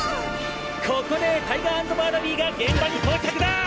ここでタイガー＆バーナビーが現場に到着だぁ！